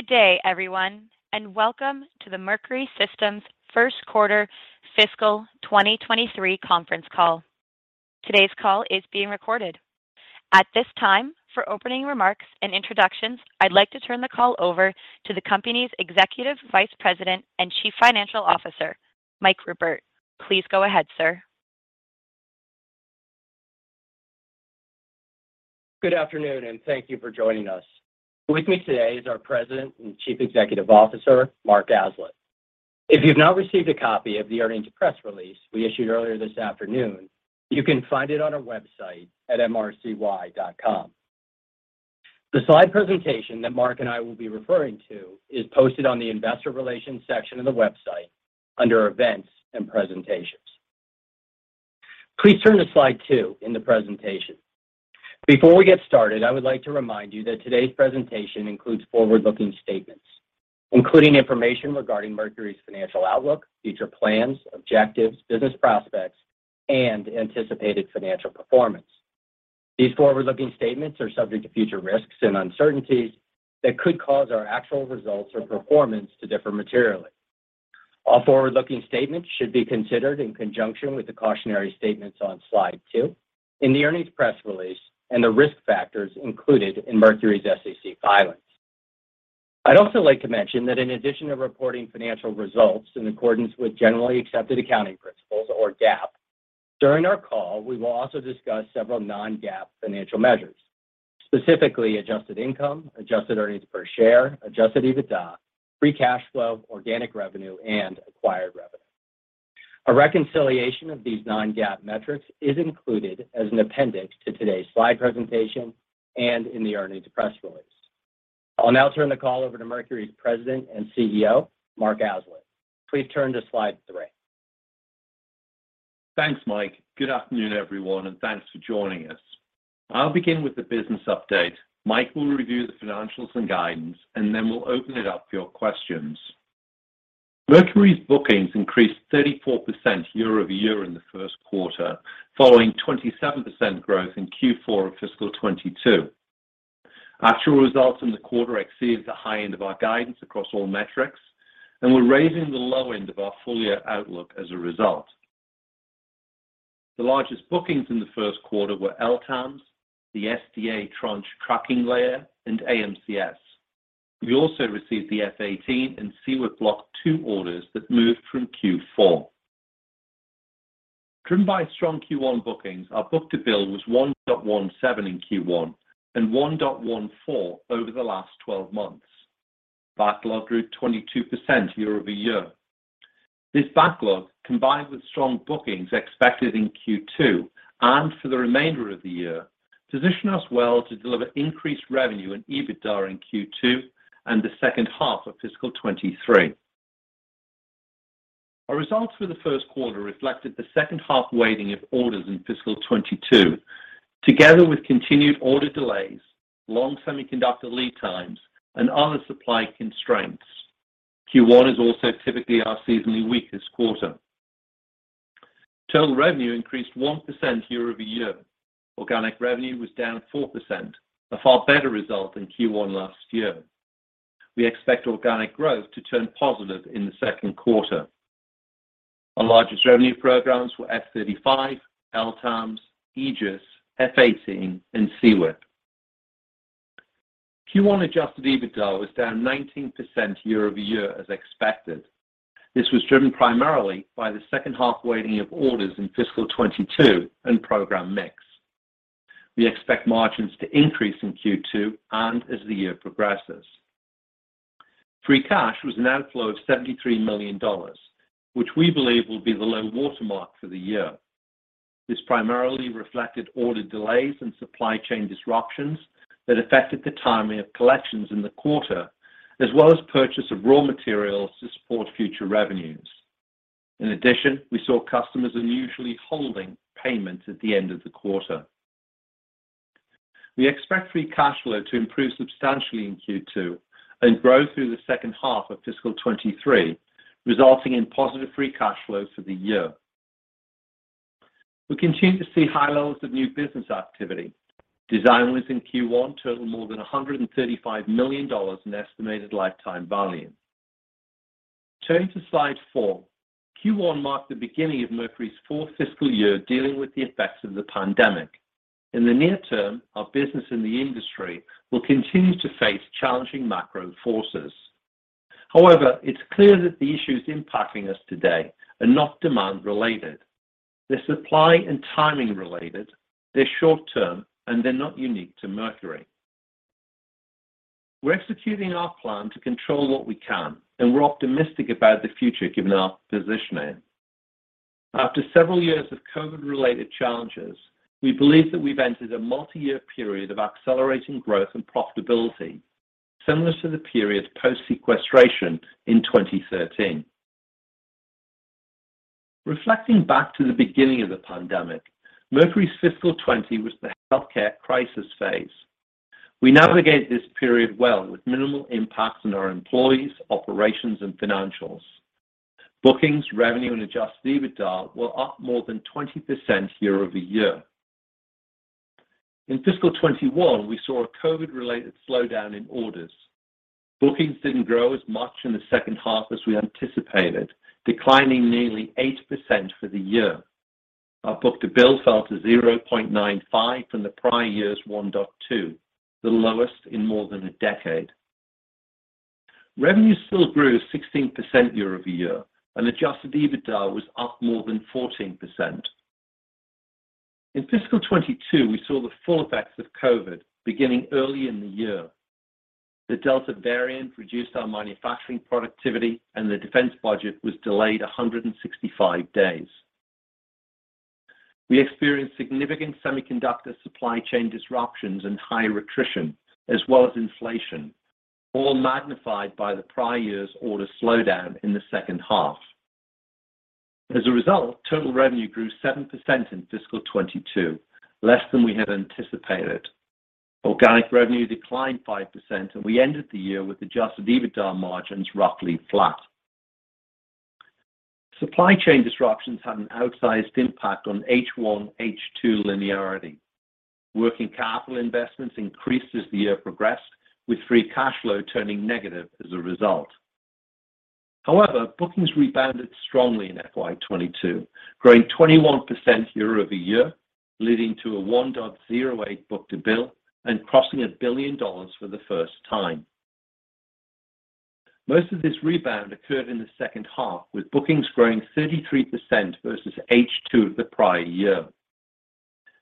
Good day, everyone, and welcome to the Mercury Systems first quarter fiscal 2023 conference call. Today's call is being recorded. At this time, for opening remarks and introductions, I'd like to turn the call over to the company's Executive Vice President and Chief Financial Officer, Mike Ruppert. Please go ahead, sir. Good afternoon, and thank you for joining us. With me today is our President and Chief Executive Officer, Mark Aslett. If you've not received a copy of the earnings press release we issued earlier this afternoon, you can find it on our website at mrcy.com. The slide presentation that Mark and I will be referring to is posted on the investor relations section of the website under events and presentations. Please turn to slide two in the presentation. Before we get started, I would like to remind you that today's presentation includes forward-looking statements, including information regarding Mercury's financial outlook, future plans, objectives, business prospects, and anticipated financial performance. These forward-looking statements are subject to future risks and uncertainties that could cause our actual results or performance to differ materially. All forward-looking statements should be considered in conjunction with the cautionary statements on slide two, in the earnings press release, and the risk factors included in Mercury's SEC filings. I'd also like to mention that in addition to reporting financial results in accordance with generally accepted accounting principles, or GAAP, during our call, we will also discuss several non-GAAP financial measures, specifically adjusted income, adjusted earnings per share, adjusted EBITDA, free cash flow, organic revenue, and acquired revenue. A reconciliation of these non-GAAP metrics is included as an appendix to today's slide presentation and in the earnings press release. I'll now turn the call over to Mercury's President and CEO, Mark Aslett. Please turn to slide three. Thanks Mike good afternoon everyone, and thanks for joining us. I'll begin with the business update. Mike will review the financials and guidance, and then we'll open it up for your questions. Mercury's bookings increased 34% year-over-year in the first quarter, following 27% growth in Q4 of fiscal 2022. Actual results in the quarter exceeds the high end of our guidance across all metrics, and we're raising the low end of our full year outlook as a result. The largest bookings in the first quarter were LTAMDS, the SDA Tranche 1 Tracking Layer, and AMCS. We also received the F-18 and CIWS Block 2 orders that moved from Q4. Driven by strong Q1 bookings, our book-to-bill was 1.17 in Q1 and 1.14 over the last 12 months. Backlog grew 22% year-over-year. This backlog, combined with strong bookings expected in Q2 and for the remainder of the year, position us well to deliver increased revenue and EBITDA in Q2 and the second half of fiscal 2023. Our results for the first quarter reflected the second half weighting of orders in fiscal 2022 together with continued order delays, long semiconductor lead times, and other supply constraints. Q1 is also typically our seasonally weakest quarter. Total revenue increased 1% year-over-year. Organic revenue was down 4%, a far better result than Q1 last year. We expect organic growth to turn positive in the second quarter. Our largest revenue programs were F-35, LTAMDS, Aegis, F-18, and CIWS. Q1 adjusted EBITDA was down 19% year-over-year as expected. This was driven primarily by the second half weighting of orders in fiscal 2022 and program mix. We expect margins to increase in Q2 and as the year progresses. Free cash was an outflow of $73 million, which we believe will be the low watermark for the year. This primarily reflected order delays and supply chain disruptions that affected the timing of collections in the quarter, as well as purchase of raw materials to support future revenues. In addition, we saw customers unusually holding payment at the end of the quarter. We expect free cash flow to improve substantially in Q2 and grow through the second half of fiscal 2023, resulting in positive free cash flow for the year. We continue to see high levels of new business activity. Design wins in Q1 total more than $135 million in estimated lifetime volume. Turning to slide four. Q1 marked the beginning of Mercury's fourth fiscal year dealing with the effects of the pandemic. In the near term, our business in the industry will continue to face challenging macro forces. However, it's clear that the issues impacting us today are not demand related. They're supply and timing related. They're short term, and they're not unique to Mercury. We're executing our plan to control what we can, and we're optimistic about the future given our positioning. After several years of COVID-related challenges, we believe that we've entered a multi-year period of accelerating growth and profitability, similar to the period post-sequestration in 2013. Reflecting back to the beginning of the pandemic, Mercury's fiscal 20 was the healthcare crisis phase. We navigate this period well with minimal impacts on our employees, operations, and financials. Bookings, revenue, and adjusted EBITDA were up more than 20% year-over-year. In fiscal 2021, we saw a COVID-related slowdown in orders. Bookings didn't grow as much in the second half as we anticipated, declining nearly 8% for the year. Our book-to-bill fell to 0.95 from the prior year's 1.2, the lowest in more than a decade. Revenue still grew 16% year-over-year, and adjusted EBITDA was up more than 14%. In fiscal 2022, we saw the full effects of COVID beginning early in the year. The Delta variant reduced our manufacturing productivity and the defense budget was delayed 165 days. We experienced significant semiconductor supply chain disruptions and high attrition, as well as inflation, all magnified by the prior year's order slowdown in the second half. As a result, total revenue grew 7% in fiscal 2022, less than we had anticipated. Organic revenue declined 5%, and we ended the year with adjusted EBITDA margins roughly flat. Supply chain disruptions had an outsized impact on H1 H2 linearity. Working capital investments increased as the year progressed, with free cash flow turning negative as a result. However, bookings rebounded strongly in FY 2022, growing 21% year-over-year, leading to a 1.08 book-to-bill and crossing $1 billion for the first time. Most of this rebound occurred in the second half, with bookings growing 33% versus H2 of the prior year.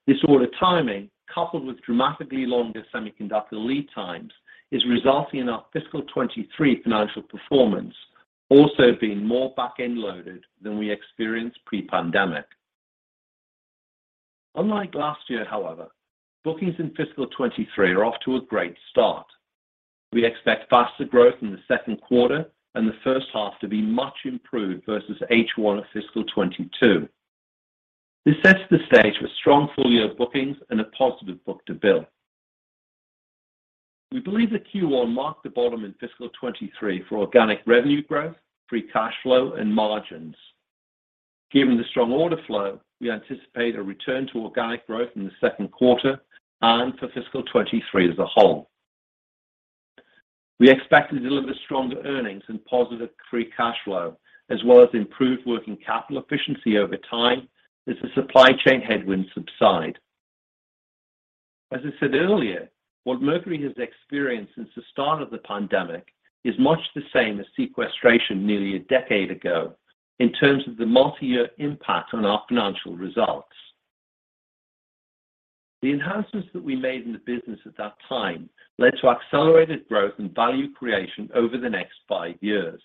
This order timing, coupled with dramatically longer semiconductor lead times, is resulting in our fiscal 2023 financial performance also being more back-end loaded than we experienced pre-pandemic. Unlike last year, however, bookings in fiscal 2023 are off to a great start. We expect faster growth in the second quarter and the first half to be much improved versus H1 of fiscal 2022. This sets the stage for strong full-year bookings and a positive book-to-bill. We believe that Q1 marked the bottom in fiscal 2023 for organic revenue growth, free cash flow, and margins. Given the strong order flow, we anticipate a return to organic growth in the second quarter and for fiscal 2023 as a whole. We expect to deliver stronger earnings and positive free cash flow, as well as improved working capital efficiency over time as the supply chain headwinds subside. As I said earlier, what Mercury has experienced since the start of the pandemic is much the same as sequestration nearly a decade ago in terms of the multi-year impact on our financial results. The enhancements that we made in the business at that time led to accelerated growth and value creation over the next five years.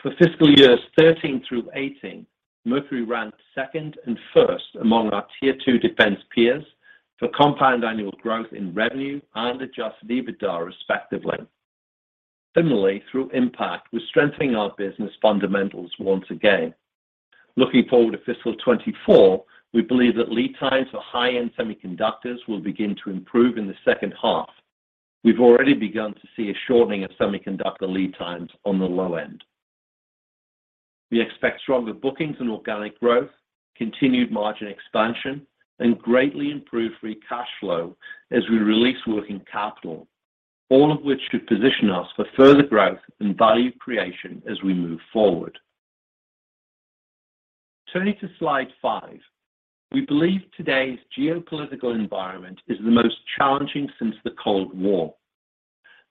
For fiscal years 13 through 18, Mercury ranked second and first among our Tier 2 defense peers for compound annual growth in revenue and adjusted EBITDA, respectively. Similarly, through Impact, we're strengthening our business fundamentals once again. Looking forward to fiscal 2024, we believe that lead times for high-end semiconductors will begin to improve in the second half. We've already begun to see a shortening of semiconductor lead times on the low end. We expect stronger bookings and organic growth, continued margin expansion, and greatly improved free cash flow as we release working capital, all of which should position us for further growth and value creation as we move forward. Turning to slide five, we believe today's geopolitical environment is the most challenging since the Cold War.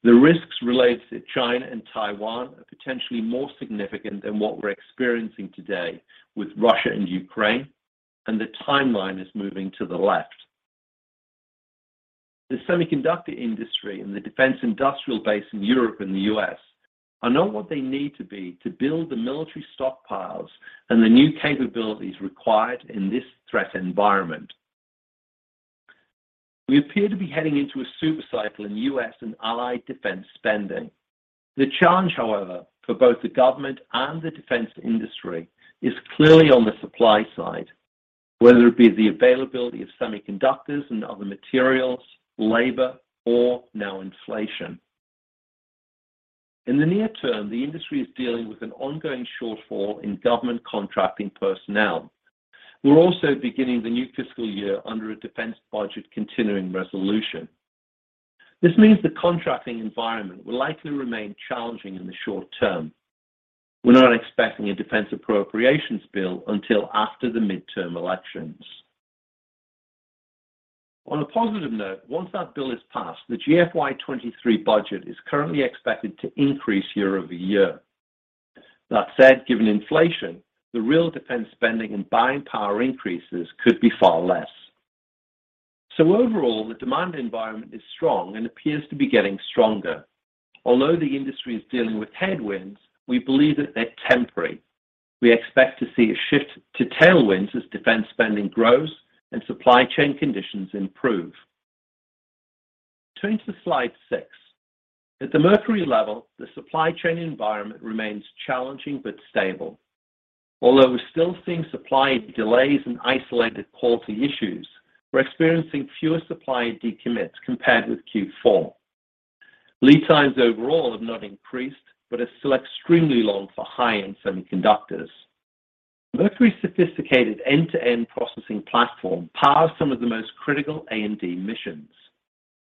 The risks related to China and Taiwan are potentially more significant than what we're experiencing today with Russia and Ukraine, and the timeline is moving to the left. The semiconductor industry and the defense industrial base in Europe and the U.S. are not what they need to be to build the military stockpiles and the new capabilities required in this threat environment. We appear to be heading into a super cycle in U.S. and allied defense spending. The challenge, however, for both the government and the defense industry is clearly on the supply side, whether it be the availability of semiconductors and other materials, labor, or now inflation. In the near term, the industry is dealing with an ongoing shortfall in government contracting personnel. We're also beginning the new fiscal year under a defense budget continuing resolution. This means the contracting environment will likely remain challenging in the short term. We're not expecting a defense appropriations bill until after the midterm elections. On a positive note, once that bill is passed, the GFY 23 budget is currently expected to increase year-over-year. That said, given inflation, the real defense spending and buying power increases could be far less. Overall, the demand environment is strong and appears to be getting stronger. Although the industry is dealing with headwinds, we believe that they're temporary. We expect to see a shift to tailwinds as defense spending grows and supply chain conditions improve. Turning to slide six, at the Mercury level, the supply chain environment remains challenging but stable. Although we're still seeing supply delays and isolated quality issues, we're experiencing fewer supply decommits compared with Q4. Lead times overall have not increased, but are still extremely long for high-end semiconductors. Mercury's sophisticated end-to-end processing platform powers some of the most critical AMD missions.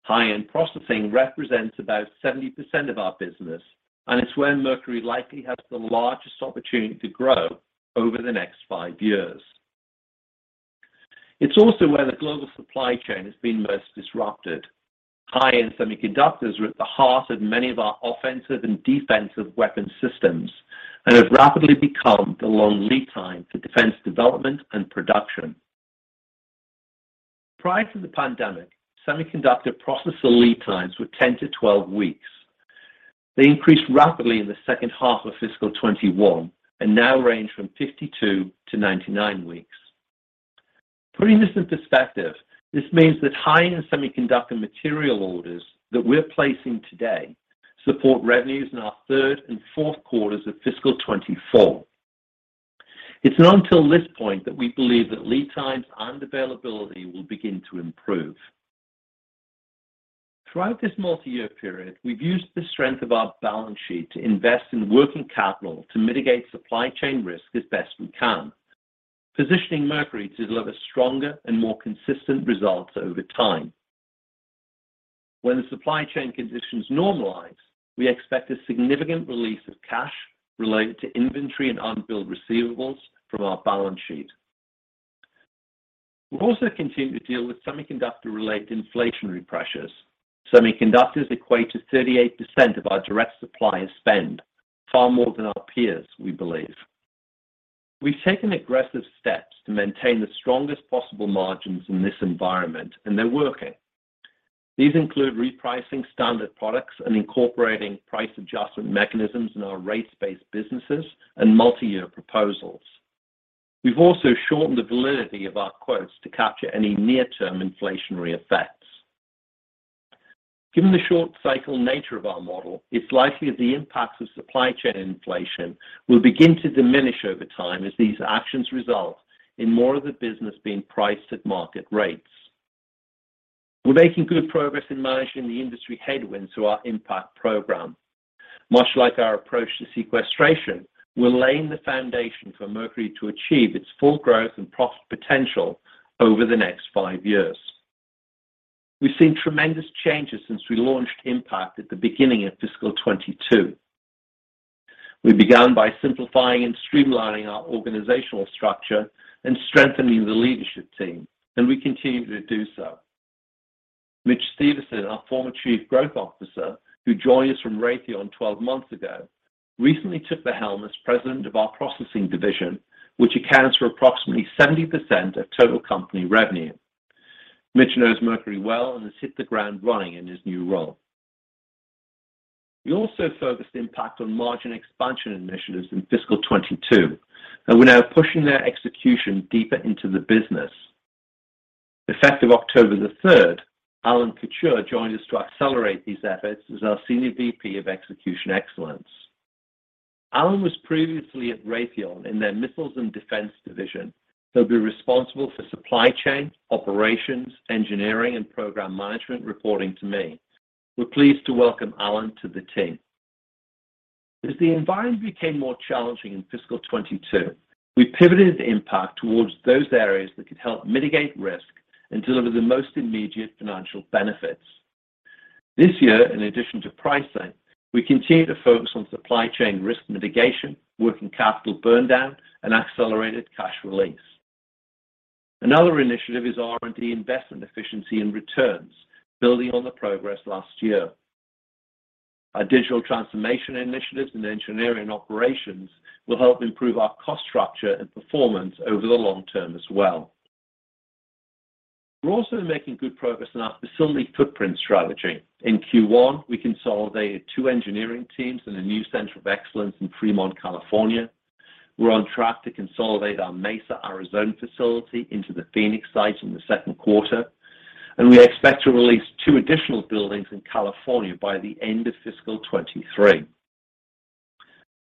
High-end processing represents about 70% of our business, and it's where Mercury likely has the largest opportunity to grow over the next five years. It's also where the global supply chain has been most disrupted. High-end semiconductors are at the heart of many of our offensive and defensive weapon systems and have rapidly become the long lead time for defense development and production. Prior to the pandemic, semiconductor processor lead times were 10-12 weeks. They increased rapidly in the second half of fiscal 2021 and now range from 52-99 weeks. Putting this in perspective, this means that high-end semiconductor material orders that we're placing today support revenues in our third and fourth quarters of fiscal 2024. It's not until this point that we believe that lead times and availability will begin to improve. Throughout this multi-year period, we've used the strength of our balance sheet to invest in working capital to mitigate supply chain risk as best we can, positioning Mercury to deliver stronger and more consistent results over time. When the supply chain conditions normalize, we expect a significant release of cash related to inventory and unbilled receivables from our balance sheet. We also continue to deal with semiconductor-related inflationary pressures. Semiconductors equate to 38% of our direct suppliers spend, far more than our peers, we believe. We've taken aggressive steps to maintain the strongest possible margins in this environment, and they're working. These include repricing standard products and incorporating price adjustment mechanisms in our space-based businesses and multi-year proposals. We've also shortened the validity of our quotes to capture any near-term inflationary effects. Given the short cycle nature of our model, it's likely that the impacts of supply chain inflation will begin to diminish over time as these actions result in more of the business being priced at market rates. We're making good progress in managing the industry headwinds through our Impact program. Much like our approach to sequestration, we're laying the foundation for Mercury to achieve its full growth and profit potential over the next five years. We've seen tremendous changes since we launched Impact at the beginning of fiscal 2022. We began by simplifying and streamlining our organizational structure and strengthening the leadership team, and we continue to do so. Mitch Stevison, our former Chief Growth Officer, who joined us from Raytheon 12 months ago, recently took the helm as President of our Processing Division, which accounts for approximately 70% of total company revenue. Mitch knows Mercury well and has hit the ground running in his new role. We also focused Impact on margin expansion initiatives in fiscal 2022, and we're now pushing their execution deeper into the business. Effective October 3, Alan Couture joined us to accelerate these efforts as our Senior VP of Execution Excellence. Alan was previously at Raytheon in their Missiles and Defense division. He'll be responsible for supply chain, operations, engineering, and program management reporting to me. We're pleased to welcome Alan to the team. As the environment became more challenging in fiscal 2022, we pivoted Impact towards those areas that could help mitigate risk and deliver the most immediate financial benefits. This year, in addition to pricing, we continue to focus on supply chain risk mitigation, working capital burndown, and accelerated cash release. Another initiative is R&D investment efficiency and returns, building on the progress last year. Our digital transformation initiatives in engineering operations will help improve our cost structure and performance over the long term as well. We're also making good progress in our facility footprint strategy. In Q1, we consolidated two engineering teams in a new center of excellence in Fremont, California. We're on track to consolidate our Mesa, Arizona facility into the Phoenix site in the second quarter, and we expect to release two additional buildings in California by the end of fiscal 2023.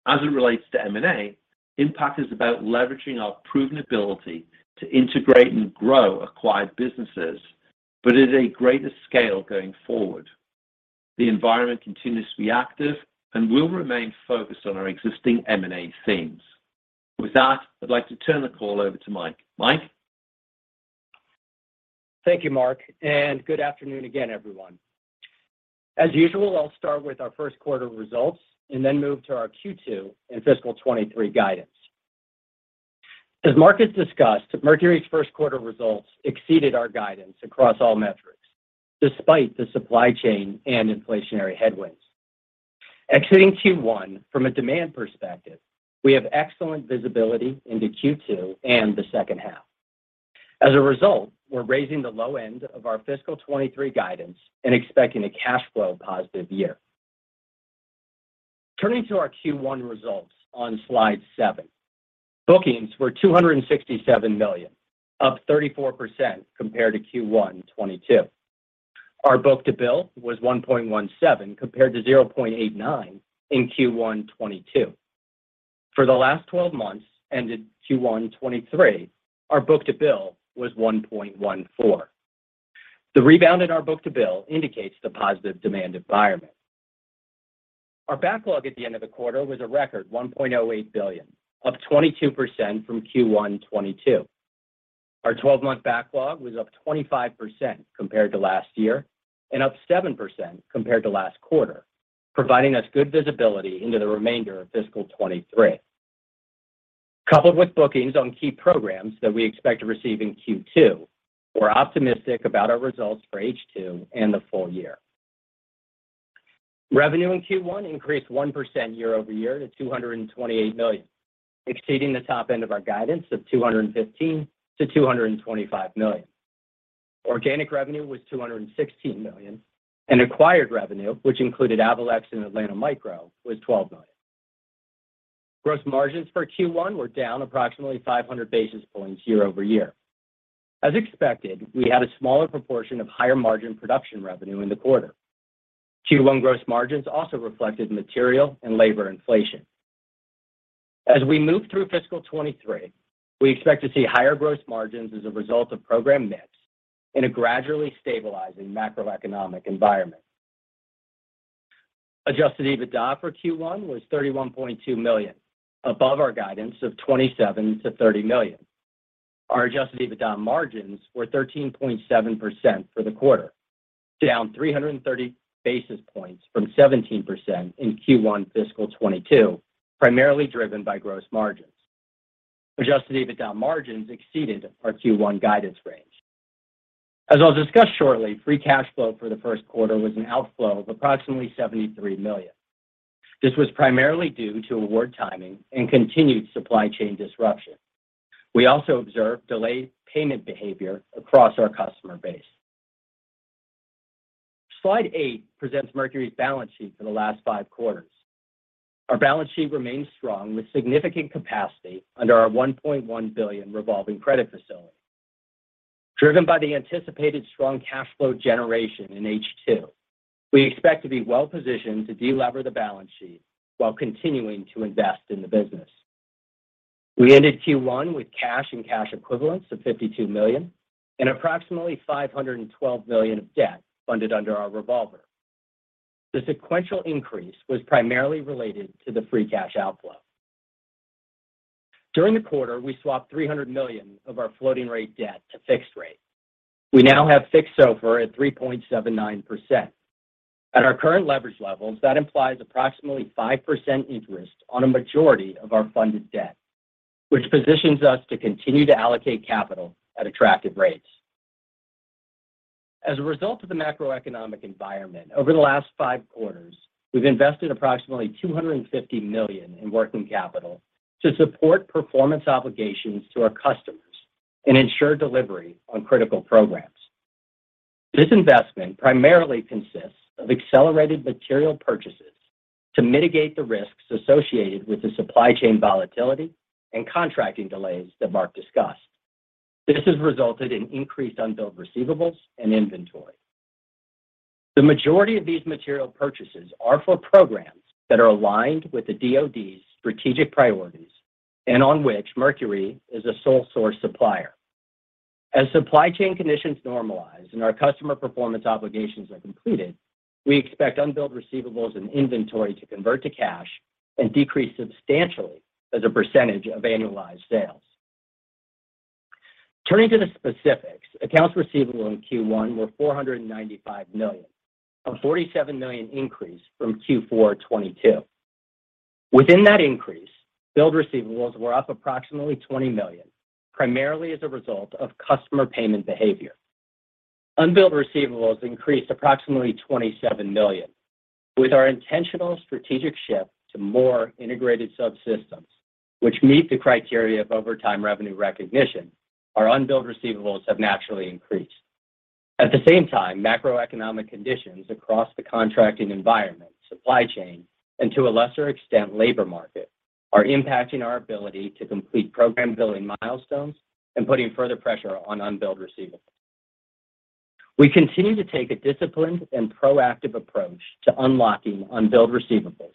As it relates to M&A, Impact is about leveraging our proven ability to integrate and grow acquired businesses, but at a greater scale going forward. The environment continues to be active and we'll remain focused on our existing M&A themes. With that, I'd like to turn the call over to Mike. Mike? Thank you Mark and good afternoon again everyone. As usual, I'll start with our first quarter results and then move to our Q2 and fiscal 2023 guidance. As Mark has discussed, Mercury's first quarter results exceeded our guidance across all metrics despite the supply chain and inflationary headwinds. Exiting Q1, from a demand perspective, we have excellent visibility into Q2 and the second half. As a result, we're raising the low end of our fiscal 2023 guidance and expecting a cash flow positive year. Turning to our Q1 results on slide seven, bookings were $267 million, up 34% compared to Q1 2022. Our book-to-bill was 1.17 compared to 0.89 in Q1 2022. For the last 12 months, ended Q1 2023, our book-to-bill was 1.14. The rebound in our book-to-bill indicates the positive demand environment. Our backlog at the end of the quarter was a record $1.08 billion, up 22% from Q1 2022. Our twelve-month backlog was up 25% compared to last year and up 7% compared to last quarter, providing us good visibility into the remainder of fiscal 2023. Coupled with bookings on key programs that we expect to receive in Q2, we're optimistic about our results for H2 and the full year. Revenue in Q1 increased 1% year-over-year to $228 million, exceeding the top end of our guidance of $215 million-$225 million. Organic revenue was $216 million, and acquired revenue, which included Avalex and Atlanta Micro, was $12 million. Gross margins for Q1 were down approximately 500 basis points year-over-year. As expected, we had a smaller proportion of higher margin production revenue in the quarter. Q1 gross margins also reflected material and labor inflation. As we move through fiscal 2023, we expect to see higher gross margins as a result of program mix in a gradually stabilizing macroeconomic environment. Adjusted EBITDA for Q1 was $31.2 million, above our guidance of $27 million-$30 million. Our adjusted EBITDA margins were 13.7% for the quarter, down 330 basis points from 17% in Q1 fiscal 2022, primarily driven by gross margins. Adjusted EBITDA margins exceeded our Q1 guidance range. As I'll discuss shortly, free cash flow for the first quarter was an outflow of approximately $73 million. This was primarily due to award timing and continued supply chain disruption. We also observed delayed payment behavior across our customer base. Slide eight presents Mercury's balance sheet for the last five quarters. Our balance sheet remains strong with significant capacity under our $1.1 billion revolving credit facility. Driven by the anticipated strong cash flow generation in H2, we expect to be well-positioned to delever the balance sheet while continuing to invest in the business. We ended Q1 with cash and cash equivalents of $52 million and approximately $512 million of debt funded under our revolver. The sequential increase was primarily related to the free cash outflow. During the quarter, we swapped $300 million of our floating rate debt to fixed rate. We now have fixed SOFR at 3.79%. At our current leverage levels, that implies approximately 5% interest on a majority of our funded debt, which positions us to continue to allocate capital at attractive rates. As a result of the macroeconomic environment over the last five quarters, we've invested approximately $250 million in working capital to support performance obligations to our customers and ensure delivery on critical programs. This investment primarily consists of accelerated material purchases to mitigate the risks associated with the supply chain volatility and contracting delays that Mark discussed. This has resulted in increased unbilled receivables and inventory. The majority of these material purchases are for programs that are aligned with the DoD's strategic priorities and on which Mercury is a sole source supplier. As supply chain conditions normalize and our customer performance obligations are completed, we expect unbilled receivables and inventory to convert to cash and decrease substantially as a percentage of annualized sales. Turning to the specifics, accounts receivable in Q1 were $495 million, a $47 million increase from Q4 2022. Within that increase, billed receivables were up approximately $20 million, primarily as a result of customer payment behavior. Unbilled receivables increased approximately $27 million. With our intentional strategic shift to more integrated subsystems which meet the criteria of over time revenue recognition, our unbilled receivables have naturally increased. At the same time, macroeconomic conditions across the contracting environment, supply chain, and to a lesser extent, labor market, are impacting our ability to complete program billing milestones and putting further pressure on unbilled receivables. We continue to take a disciplined and proactive approach to unlocking unbilled receivables,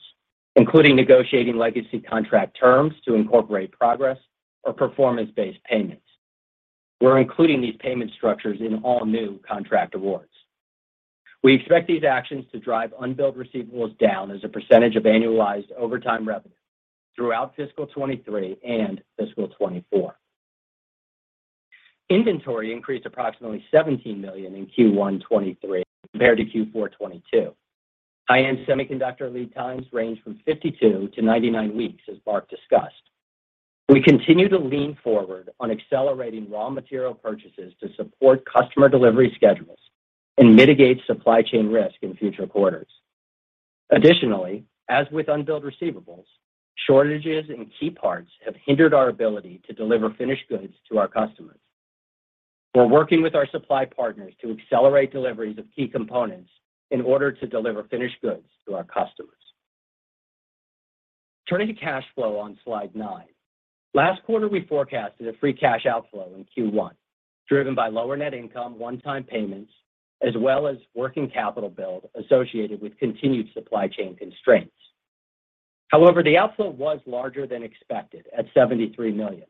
including negotiating legacy contract terms to incorporate progress or performance-based payments. We're including these payment structures in all new contract awards. We expect these actions to drive unbilled receivables down as a percentage of annualized over time revenue throughout fiscal 2023 and fiscal 2024. Inventory increased approximately $17 million in Q1 2023 compared to Q4 2022. High-end semiconductor lead times range from 52-99 weeks, as Mark discussed. We continue to lean forward on accelerating raw material purchases to support customer delivery schedules and mitigate supply chain risk in future quarters. Additionally, as with unbilled receivables, shortages in key parts have hindered our ability to deliver finished goods to our customers. We're working with our supply partners to accelerate deliveries of key components in order to deliver finished goods to our customers. Turning to cash flow on slide nine. Last quarter, we forecasted a free cash outflow in Q1, driven by lower net income, one-time payments, as well as working capital build associated with continued supply chain constraints. However, the outflow was larger than expected at $73 million,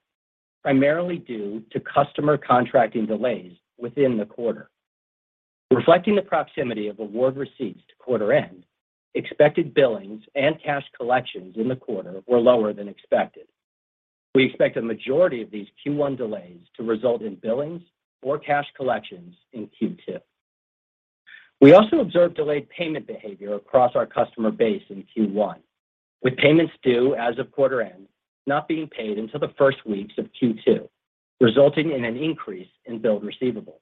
primarily due to customer contracting delays within the quarter. Reflecting the proximity of award receipts to quarter end, expected billings and cash collections in the quarter were lower than expected. We expect a majority of these Q1 delays to result in billings or cash collections in Q2. We also observed delayed payment behavior across our customer base in Q1, with payments due as of quarter end not being paid until the first weeks of Q2, resulting in an increase in billed receivables.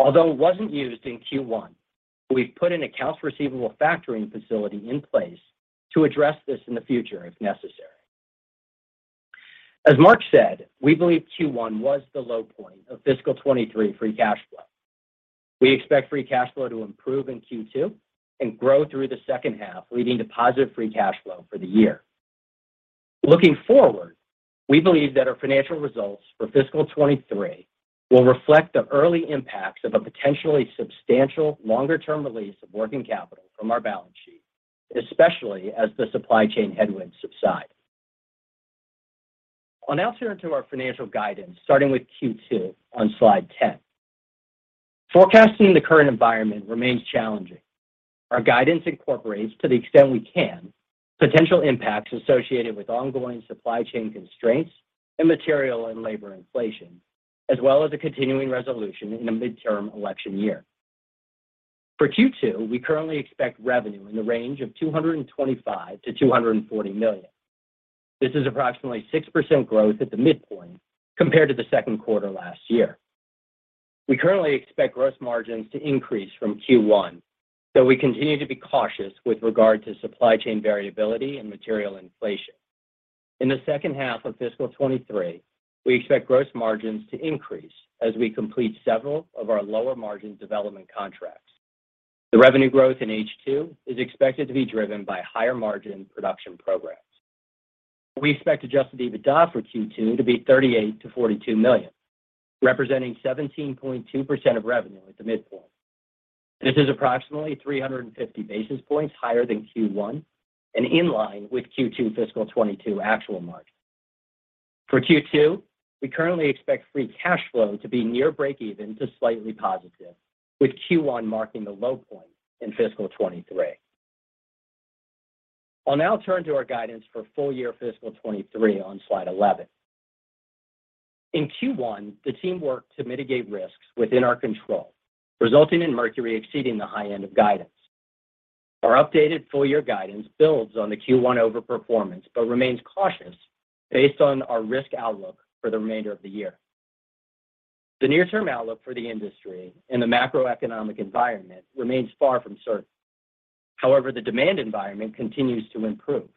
Although it wasn't used in Q1, we've put an accounts receivable factoring facility in place to address this in the future if necessary. As Mark said, we believe Q1 was the low point of fiscal 2023 free cash flow. We expect free cash flow to improve in Q2 and grow through the second half, leading to positive free cash flow for the year. Looking forward, we believe that our financial results for fiscal 2023 will reflect the early impacts of a potentially substantial longer-term release of working capital from our balance sheet, especially as the supply chain headwinds subside. I'll now turn to our financial guidance, starting with Q2 on slide 10. Forecasting the current environment remains challenging. Our guidance incorporates, to the extent we can, potential impacts associated with ongoing supply chain constraints and material and labor inflation, as well as a continuing resolution in a midterm election year. For Q2, we currently expect revenue in the range of $225 million-$240 million. This is approximately 6% growth at the midpoint compared to the second quarter last year. We currently expect gross margins to increase from Q1, though we continue to be cautious with regard to supply chain variability and material inflation. In the second half of fiscal 2023, we expect gross margins to increase as we complete several of our lower margin development contracts. The revenue growth in H2 is expected to be driven by higher margin production programs. We expect adjusted EBITDA for Q2 to be $38 million-$42 million, representing 17.2% of revenue at the midpoint. This is approximately 350 basis points higher than Q1 and in line with Q2 fiscal 2022 actual marks. For Q2, we currently expect free cash flow to be near breakeven to slightly positive, with Q1 marking the low point in fiscal 2023. I'll now turn to our guidance for full year fiscal 2023 on slide 11. In Q1, the team worked to mitigate risks within our control, resulting in Mercury exceeding the high end of guidance. Our updated full year guidance builds on the Q1 overperformance, but remains cautious based on our risk outlook for the remainder of the year. The near-term outlook for the industry and the macroeconomic environment remains far from certain. However, the demand environment continues to improve,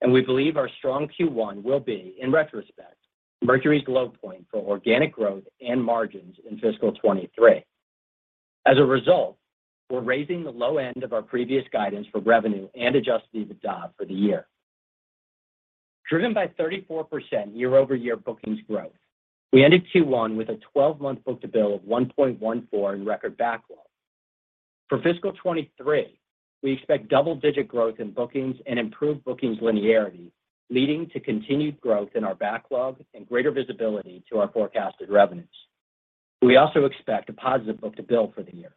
and we believe our strong Q1 will be, in retrospect, Mercury's low point for organic growth and margins in fiscal 2023. As a result, we're raising the low end of our previous guidance for revenue and adjusted EBITDA for the year. Driven by 34% year-over-year bookings growth, we ended Q1 with a 12-month book-to-bill of 1.14 in record backlog. For fiscal 2023, we expect double-digit growth in bookings and improved bookings linearity, leading to continued growth in our backlog and greater visibility to our forecasted revenues. We also expect a positive book-to-bill for the year.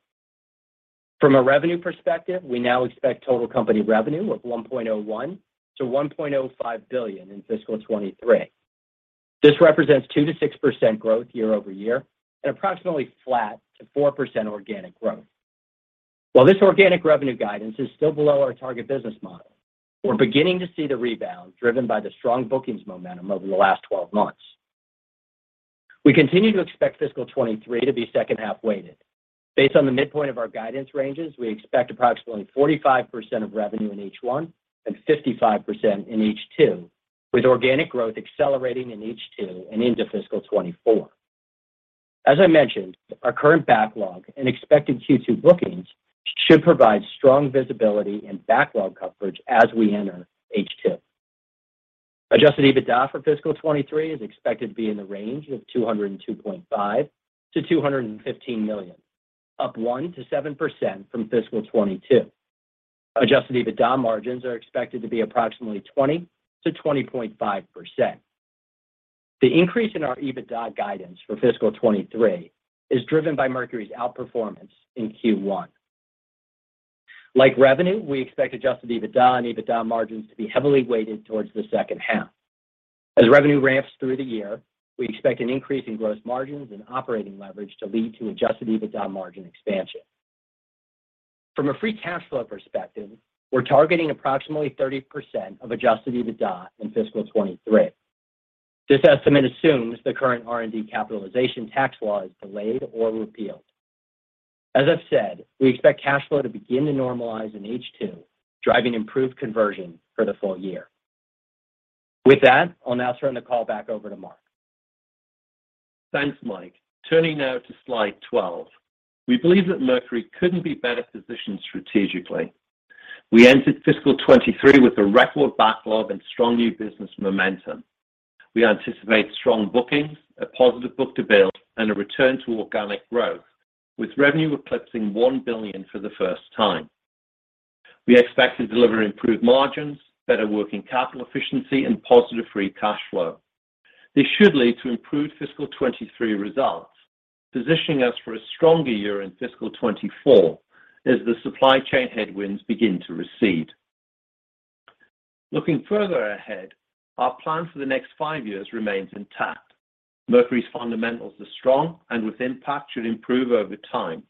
From a revenue perspective, we now expect total company revenue of $1.01 billion-$1.05 billion in fiscal 2023. This represents 2%-6% growth year-over-year and approximately flat to 4% organic growth. While this organic revenue guidance is still below our target business model, we're beginning to see the rebound driven by the strong bookings momentum over the last 12 months. We continue to expect fiscal 2023 to be second half weighted. Based on the midpoint of our guidance ranges, we expect approximately 45% of revenue in H1 and 55% in H2, with organic growth accelerating in H2 and into fiscal 2024. As I mentioned, our current backlog and expected Q2 bookings should provide strong visibility and backlog coverage as we enter H2. Adjusted EBITDA for fiscal 2023 is expected to be in the range of $202.5 million-$215 million, up 1%-7% from fiscal 2022. Adjusted EBITDA margins are expected to be approximately 20%-20.5%. The increase in our EBITDA guidance for fiscal 2023 is driven by Mercury's outperformance in Q1. Like revenue, we expect adjusted EBITDA and EBITDA margins to be heavily weighted towards the second half. As revenue ramps through the year, we expect an increase in gross margins and operating leverage to lead to adjusted EBITDA margin expansion. From a free cash flow perspective, we're targeting approximately 30% of adjusted EBITDA in fiscal 2023. This estimate assumes the current R&D capitalization tax law is delayed or repealed. As I've said, we expect cash flow to begin to normalize in H2, driving improved conversion for the full year. With that, I'll now turn the call back over to Mark. Thanks Mike turning now to slide 12. We believe that Mercury couldn't be better positioned strategically. We entered fiscal 2023 with a record backlog and strong new business momentum. We anticipate strong bookings, a positive book-to-bill, and a return to organic growth, with revenue eclipsing $1 billion for the first time. We expect to deliver improved margins, better working capital efficiency, and positive free cash flow. This should lead to improved fiscal 2023 results, positioning us for a stronger year in fiscal 2024 as the supply chain headwinds begin to recede. Looking further ahead, our plan for the next five years remains intact. Mercury's fundamentals are strong and with Impact, should improve over time.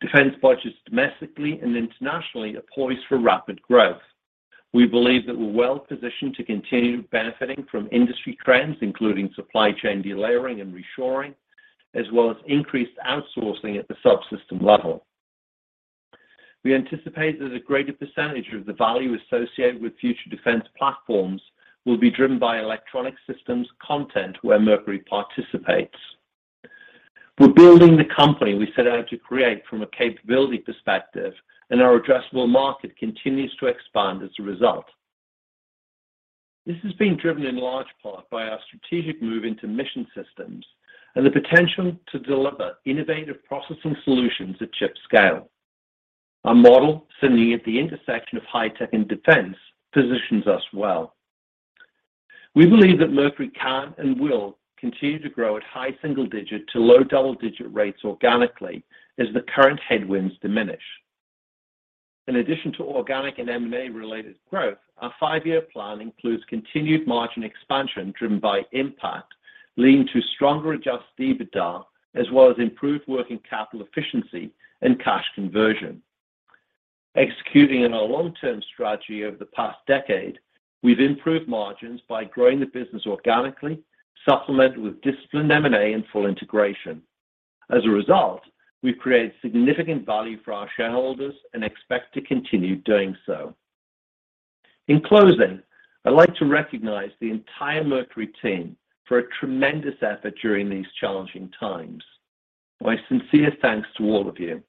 Defense budgets domestically and internationally are poised for rapid growth. We believe that we're well-positioned to continue benefiting from industry trends, including supply chain delayering and reshoring, as well as increased outsourcing at the subsystem level. We anticipate that a greater percentage of the value associated with future defense platforms will be driven by electronic systems content where Mercury participates. We're building the company we set out to create from a capability perspective, and our addressable market continues to expand as a result. This has been driven in large part by our strategic move into mission systems and the potential to deliver innovative processing solutions at chip scale. Our model, sitting at the intersection of high tech and defense, positions us well. We believe that Mercury can and will continue to grow at high single-digit to low double-digit rates organically as the current headwinds diminish. In addition to organic and M&A-related growth, our five-year plan includes continued margin expansion driven by Impact, leading to stronger adjusted EBITDA, as well as improved working capital efficiency and cash conversion. Executing on our long-term strategy over the past decade, we've improved margins by growing the business organically, supplemented with disciplined M&A and full integration. As a result, we've created significant value for our shareholders and expect to continue doing so. In closing, I'd like to recognize the entire Mercury team for a tremendous effort during these challenging times. My sincere thanks to all of you.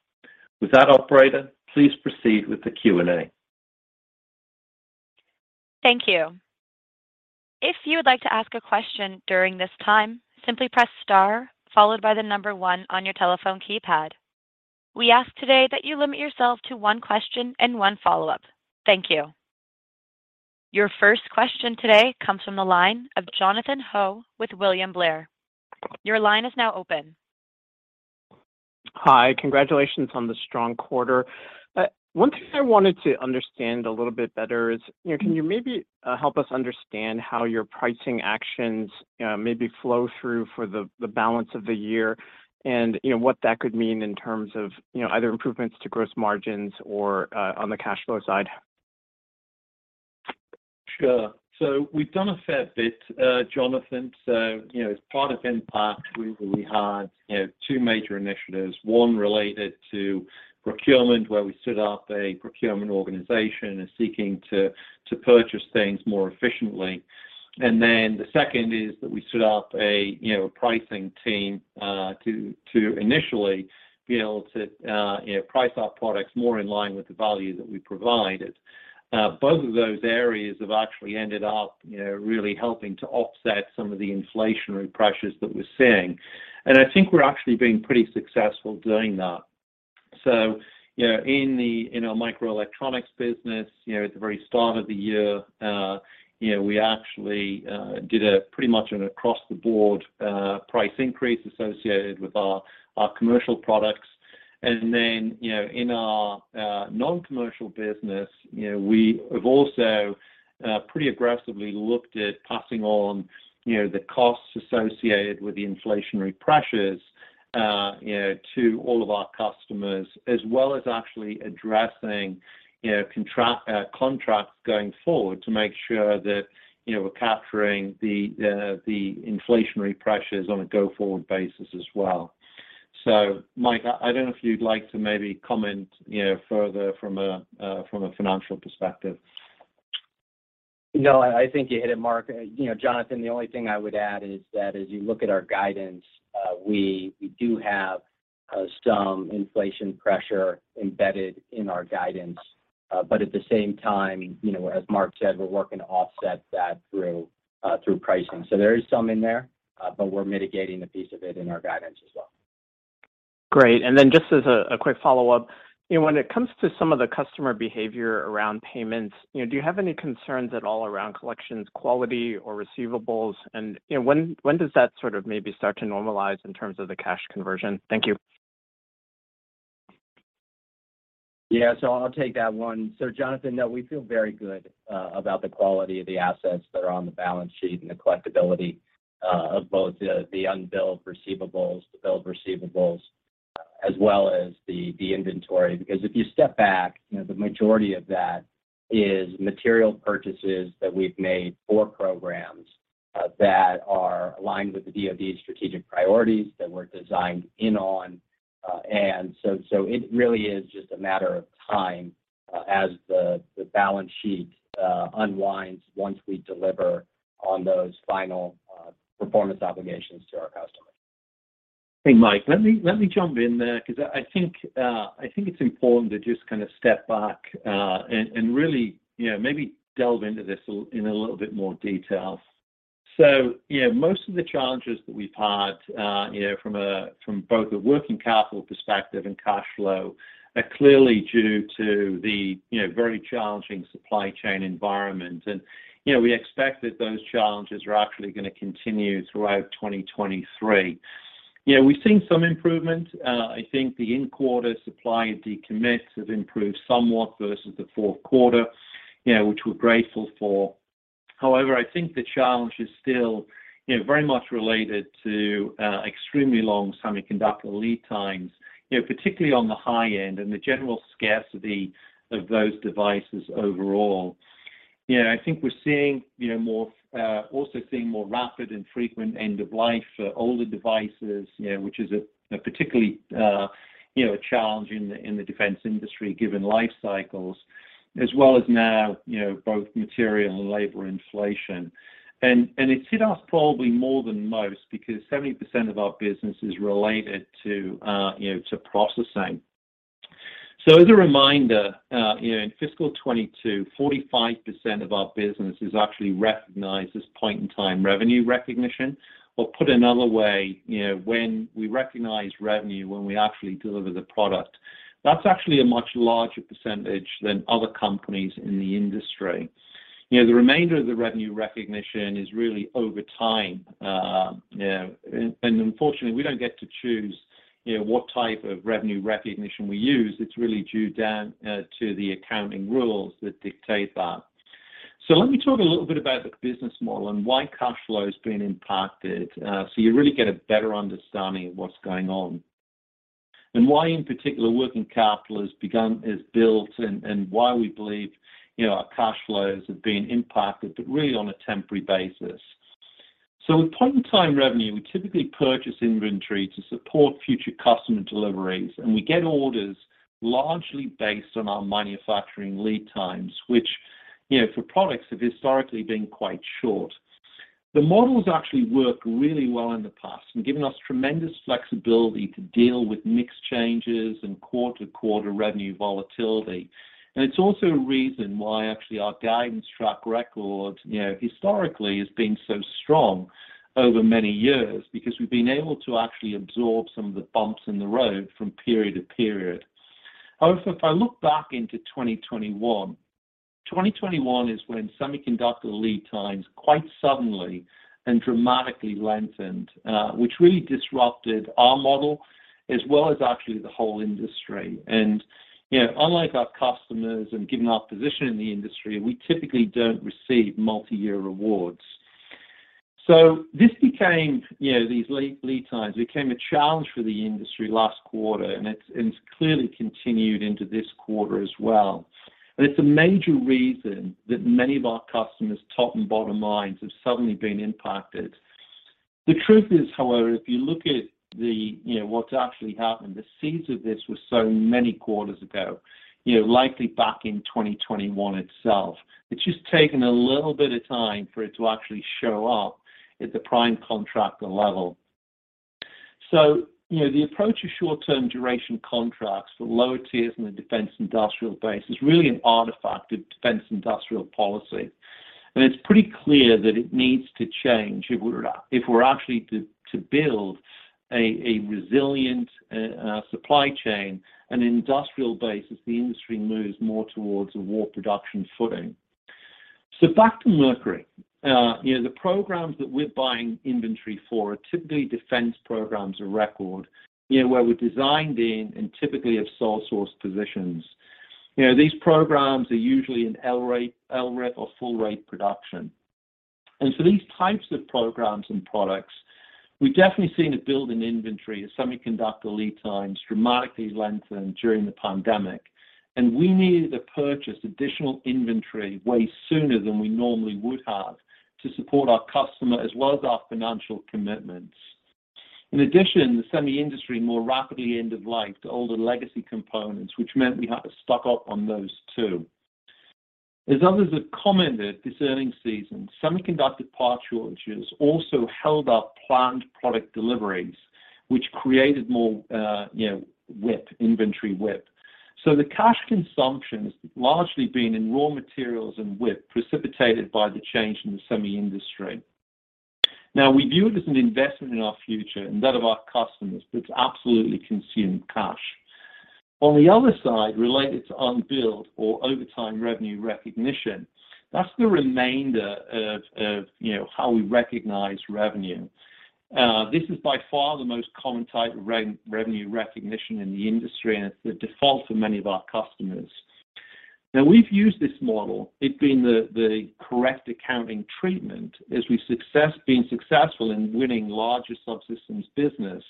With that, Operator, please proceed with the Q&A. Thank you. If you would like to ask a question during this time, simply press star followed by the number one on your telephone keypad. We ask today that you limit yourself to one question and one follow-up. Thank you. Your first question today comes from the line of Jonathan Ho with William Blair. Your line is now open. Hi. Congratulations on the strong quarter. One thing I wanted to understand a little bit better is, you know, can you maybe help us understand how your pricing actions maybe flow through for the balance of the year and, you know, what that could mean in terms of, you know, either improvements to gross margins or on the cash flow side? Sure. We've done a fair bit, Jonathan. You know, as part of Impact, we had, you know, two major initiatives, one related to procurement, where we stood up a procurement organization and seeking to purchase things more efficiently. The second is that we stood up a, you know, pricing team to initially be able to, you know, price our products more in line with the value that we provided. Both of those areas have actually ended up, you know, really helping to offset some of the inflationary pressures that we're seeing. I think we're actually being pretty successful doing that. You know, in our microelectronics business, you know, at the very start of the year, we actually did pretty much an across-the-board price increase associated with our commercial products. You know, in our non-commercial business, you know, we have also pretty aggressively looked at passing on, you know, the costs associated with the inflationary pressures, you know, to all of our customers, as well as actually addressing, you know, contracts going forward to make sure that, you know, we're capturing the inflationary pressures on a go-forward basis as well. Mike, I don't know if you'd like to maybe comment, you know, further from a financial perspective. No, I think you hit it, Mark. You know, Jonathan, the only thing I would add is that as you look at our guidance, we do have some inflation pressure embedded in our guidance. At the same time, you know, as Mark said, we're working to offset that through pricing. There is some in there, but we're mitigating a piece of it in our guidance as well. Great. Just as a quick follow-up, you know, when it comes to some of the customer behavior around payments, you know, do you have any concerns at all around collections quality or receivables? You know, when does that sort of maybe start to normalize in terms of the cash conversion? Thank you. Yeah. I'll take that one. Jonathan, no, we feel very good about the quality of the assets that are on the balance sheet and the collectibility of both the unbilled receivables, the billed receivables, as well as the inventory. Because if you step back, you know, the majority of that is material purchases that we've made for programs that are aligned with the DoD strategic priorities. It really is just a matter of time as the balance sheet unwinds once we deliver on those final performance obligations to our customers. Hey Mike let me jump in there because I think it's important to just kind of step back and really, you know, maybe delve into this in a little bit more detail. You know, most of the challenges that we've had, you know, from both a working capital perspective and cash flow are clearly due to the very challenging supply chain environment. We expect that those challenges are actually gonna continue throughout 2023. You know, we've seen some improvement. I think the in-quarter supply decommits have improved somewhat versus the fourth quarter, you know, which we're grateful for. However, I think the challenge is still, you know, very much related to extremely long semiconductor lead times, you know, particularly on the high end, and the general scarcity of those devices overall. You know, I think we're seeing, you know, also seeing more rapid and frequent end of life for older devices, you know, which is a particularly, you know, a challenge in the defense industry, given life cycles, as well as now, you know, both material and labor inflation. It hit us probably more than most because 70% of our business is related to, you know, to processing. As a reminder, you know, in fiscal 2022, 45% of our business is actually recognized as point-in-time revenue recognition. Put another way, you know, when we recognize revenue, when we actually deliver the product, that's actually a much larger percentage than other companies in the industry. You know, the remainder of the revenue recognition is really over time. Unfortunately, we don't get to choose, you know, what type of revenue recognition we use. It's really down to the accounting rules that dictate that. Let me talk a little bit about the business model and why cash flow has been impacted, so you really get a better understanding of what's going on and why, in particular, working capital is built and why we believe, you know, our cash flows have been impacted, but really on a temporary basis. With point-in-time revenue, we typically purchase inventory to support future customer deliveries, and we get orders largely based on our manufacturing lead times, which, you know, for products have historically been quite short. The models actually work really well in the past and given us tremendous flexibility to deal with mix changes and quarter-to-quarter revenue volatility. It's also a reason why actually our guidance track record, you know, historically has been so strong over many years because we've been able to actually absorb some of the bumps in the road from period to period. However, if I look back into 2021 is when semiconductor lead times quite suddenly and dramatically lengthened, which really disrupted our model as well as actually the whole industry. You know, unlike our customers and given our position in the industry, we typically don't receive multi-year rewards. This became, you know, these lead times became a challenge for the industry last quarter, and it's clearly continued into this quarter as well. It's a major reason that many of our customers' top and bottom lines have suddenly been impacted. The truth is, however, if you look at the, you know, what's actually happened, the seeds of this were sown many quarters ago, you know, likely back in 2021 itself. It's just taken a little bit of time for it to actually show up at the prime contractor level. You know, the approach of short-term duration contracts, the lower tiers in the defense industrial base is really an artifact of defense industrial policy. It's pretty clear that it needs to change if we're actually to build a resilient supply chain and industrial base as the industry moves more towards a war production footing. Back to Mercury. You know, the programs that we're buying inventory for are typically defense programs of record, you know, where we're designed in and typically of sole source positions. You know, these programs are usually in LRIP or full rate production. These types of programs and products, we've definitely seen a build in inventory as semiconductor lead times dramatically lengthened during the pandemic. We needed to purchase additional inventory way sooner than we normally would have to support our customer as well as our financial commitments. In addition, the semi industry more rapidly end-of-life to older legacy components, which meant we had to stock up on those too. As others have commented this earnings season, semiconductor part shortages also held up planned product deliveries, which created more WIP, inventory WIP. The cash consumption has largely been in raw materials and WIP precipitated by the change in the semi industry. Now, we view it as an investment in our future and that of our customers, but it's absolutely consumed cash. On the other side, related to unbilled or over time revenue recognition, that's the remainder of how we recognize revenue. This is by far the most common type of revenue recognition in the industry, and it's the default for many of our customers. Now, we've used this model. It's been the correct accounting treatment as we've been successful in winning larger subsystems business,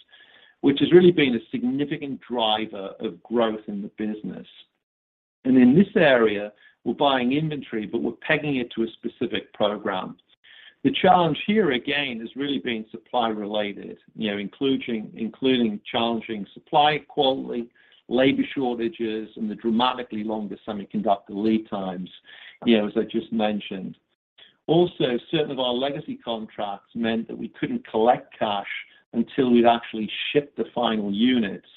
which has really been a significant driver of growth in the business. In this area, we're buying inventory, but we're pegging it to a specific program. The challenge here, again, has really been supply related, you know, including challenging supply quality, labor shortages, and the dramatically longer semiconductor lead times, you know, as I just mentioned. Also, certain of our legacy contracts meant that we couldn't collect cash until we'd actually shipped the final units.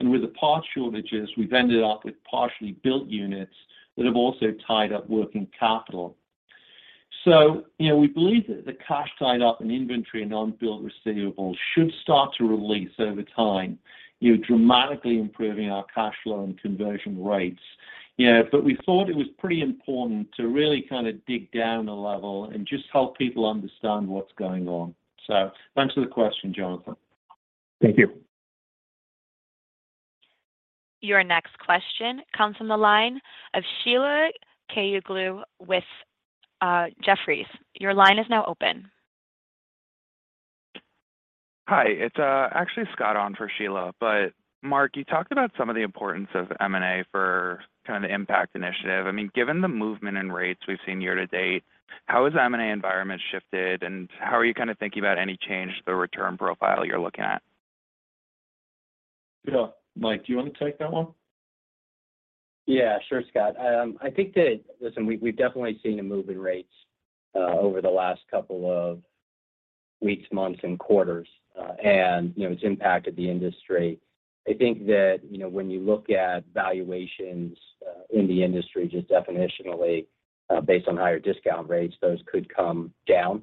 With the parts shortages, we've ended up with partially built units that have also tied up working capital. You know, we believe that the cash tied up in inventory and unbilled receivables should start to release over time, you know, dramatically improving our cash flow and conversion rates. You know, but we thought it was pretty important to really kind of dig down a level and just help people understand what's going on. Thanks for the question, Jonathan. Thank you. Your next question comes from the line of Sheila Kahyaoglu with Jefferies. Your line is now open. Hi. It's actually Scott on for Sheila. Mark, you talked about some of the importance of M&A for kind of the Impact initiative. I mean, given the movement in rates we've seen year to date, how has the M&A environment shifted, and how are you kinda thinking about any change to the return profile you're looking at? Yeah Mike do you wanna take that one? Yeah, sure, Scott. I think that, listen, we've definitely seen a move in rates over the last couple of weeks, months, and quarters, and, you know, it's impacted the industry. I think that, you know, when you look at valuations in the industry, just definitionally, based on higher discount rates, those could come down.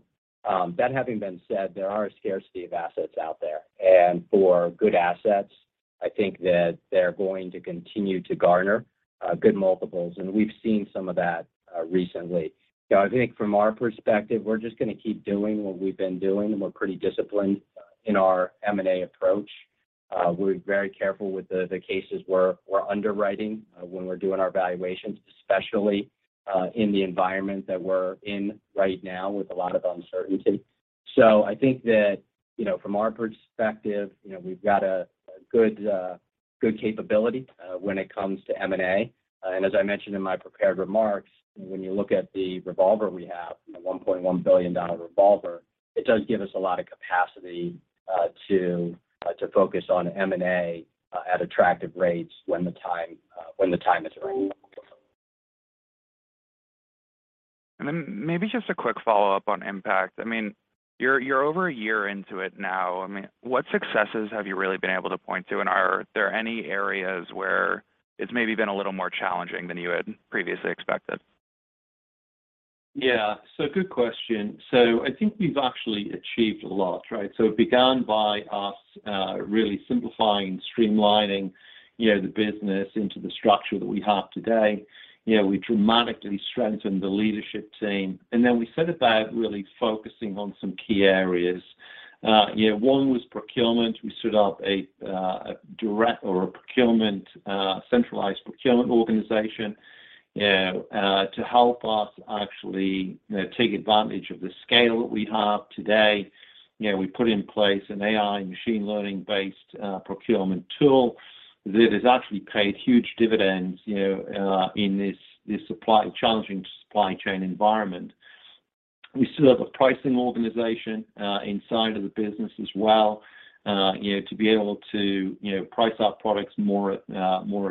That having been said, there are a scarcity of assets out there. For good assets, I think that they're going to continue to garner good multiples, and we've seen some of that recently. You know, I think from our perspective, we're just gonna keep doing what we've been doing. We're pretty disciplined in our M&A approach. We're very careful with the cases we're underwriting when we're doing our valuations, especially in the environment that we're in right now with a lot of uncertainty. I think that, you know, from our perspective, you know, we've got a good capability when it comes to M&A. As I mentioned in my prepared remarks, when you look at the revolver we have, the $1.1 billion revolver, it does give us a lot of capacity to focus on M&A at attractive rates when the time is right. Maybe just a quick follow-up on Impact. I mean, you're over a year into it now. I mean, what successes have you really been able to point to, and are there any areas where it's maybe been a little more challenging than you had previously expected? Yeah. Good question. I think we've actually achieved a lot, right? It began by us really simplifying, streamlining, you know, the business into the structure that we have today. You know, we dramatically strengthened the leadership team, and then we set about really focusing on some key areas. You know, one was procurement. We stood up a centralized procurement organization to help us actually take advantage of the scale that we have today. You know, we put in place an AI machine learning-based procurement tool that has actually paid huge dividends, you know, in this challenging supply chain environment. We stood up a pricing organization inside of the business as well, you know, to be able to, you know, price our products more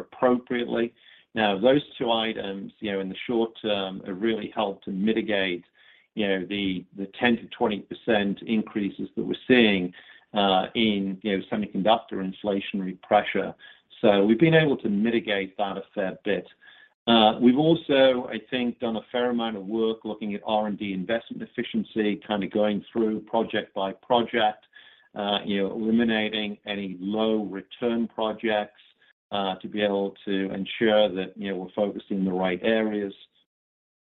appropriately. Now those two items, you know, in the short term, have really helped to mitigate, you know, the 10%-20% increases that we're seeing in, you know, semiconductor inflationary pressure. We've been able to mitigate that a fair bit. We've also, I think, done a fair amount of work looking at R&D investment efficiency, kinda going through project by project, you know, eliminating any low return projects to be able to ensure that, you know, we're focused in the right areas.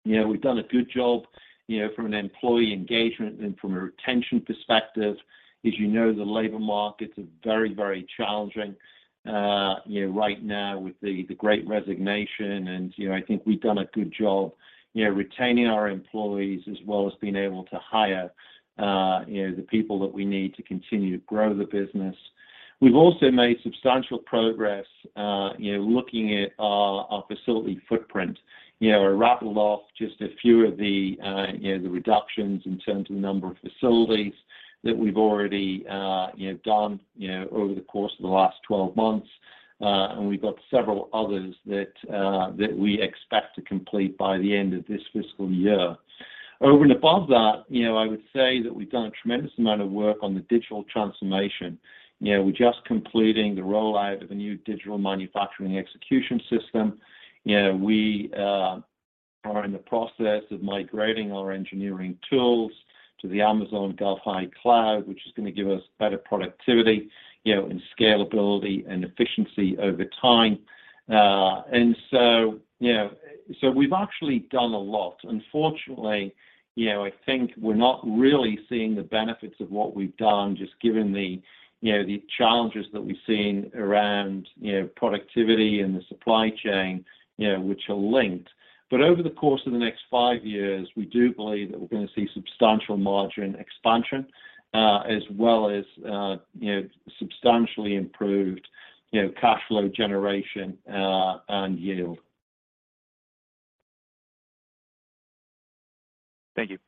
You know, we've done a good job, you know, from an employee engagement and from a retention perspective. As you know, the labor markets are very, very challenging, you know, right now with the great resignation and, you know, I think we've done a good job, you know, retaining our employees as well as being able to hire, you know, the people that we need to continue to grow the business. We've also made substantial progress, you know, looking at our facility footprint. You know, I rattled off just a few of the reductions in terms of number of facilities that we've already, you know, done, you know, over the course of the last 12 months. We've got several others that we expect to complete by the end of this fiscal year. Over and above that, you know, I would say that we've done a tremendous amount of work on the digital transformation. You know, we're just completing the rollout of a new digital manufacturing execution system. You know, we are in the process of migrating our engineering tools to the Amazon GovCloud, which is gonna give us better productivity, you know, and scalability and efficiency over time. You know, we've actually done a lot. Unfortunately, you know, I think we're not really seeing the benefits of what we've done just given the, you know, the challenges that we've seen around, you know, productivity and the supply chain, you know, which are linked. Over the course of the next five years, we do believe that we're gonna see substantial margin expansion, as well as, you know, substantially improved, you know, cash flow generation, and yield. Thank you.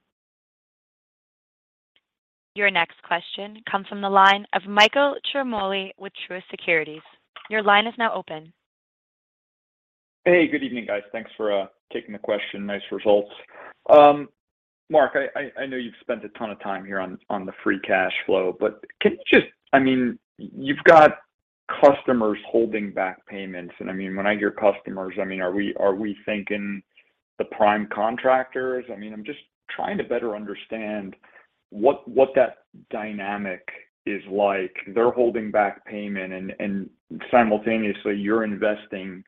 Your next question comes from the line of Michael Ciarmoli with Truist Securities. Your line is now open. Hey, good evening, guys. Thanks for taking the question. Nice results. Mark, I know you've spent a ton of time here on the free cash flow, but can you just, I mean, you've got customers holding back payments, and I mean, when I hear customers, I mean, are we thinking the prime contractors? I mean, I'm just trying to better understand what that dynamic is like. They're holding back payment, and simultaneously, you're investing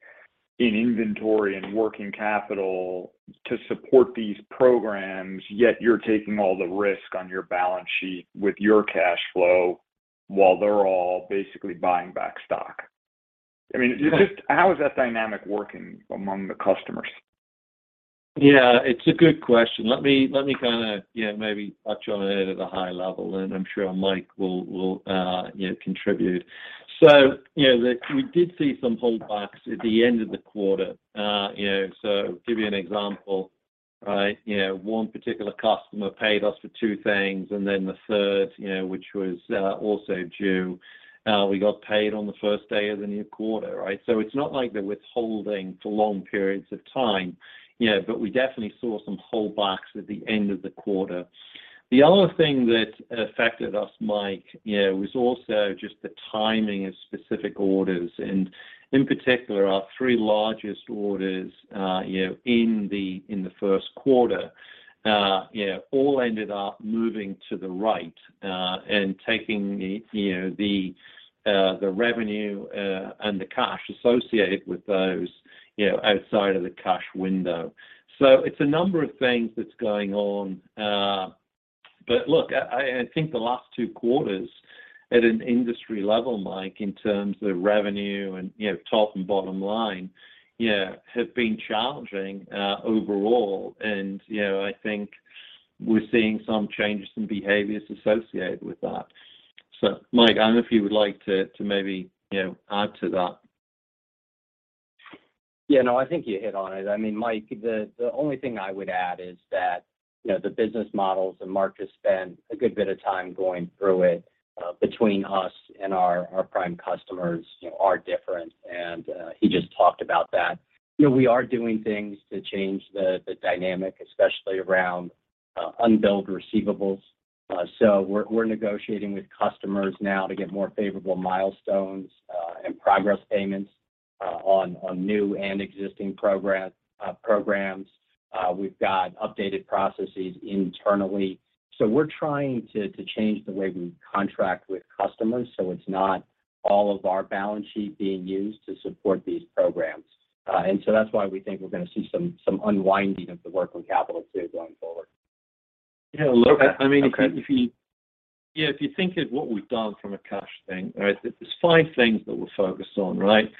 in inventory and working capital to support these programs, yet you're taking all the risk on your balance sheet with your cash flow while they're all basically buying back stock. I mean. Yeah. Just how is that dynamic working among the customers? Yeah, it's a good question. Let me kinda, you know, maybe touch on it at a high level, and I'm sure Mike will, you know, contribute. You know, we did see some holdbacks at the end of the quarter, you know. Give you an example, right? You know, one particular customer paid us for two things, and then the third, you know, which was also due, we got paid on the first day of the new quarter, right? It's not like they're withholding for long periods of time, you know, but we definitely saw some holdbacks at the end of the quarter. The other thing that affected us, Mike, you know, was also just the timing of specific orders. In particular, our three largest orders, you know, in the first quarter, you know, all ended up moving to the right, and taking, you know, the revenue and the cash associated with those, you know, outside of the cash window. It's a number of things that's going on. Look, I think the last two quarters at an industry level, Mike, in terms of revenue and, you know, top and bottom line, you know, have been challenging, overall. I think we're seeing some changes in behaviors associated with that. Mike, I don't know if you would like to to maybe, you know, add to that. Yeah, no, I think you hit on it. I mean, Mike, the only thing I would add is that, you know, the business models, and Mark just spent a good bit of time going through it, between us and our prime customers, you know, are different, and he just talked about that. You know, we are doing things to change the dynamic, especially around unbilled receivables. We're negotiating with customers now to get more favorable milestones and progress payments on new and existing programs. We've got updated processes internally. We're trying to change the way we contract with customers, so it's not all of our balance sheet being used to support these programs. That's why we think we're gonna see some unwinding of the working capital too going forward. Yeah, look, I mean, if you- Okay.... yeah, if you think of what we've done from a cash thing, right? There's five things that we're focused on, right?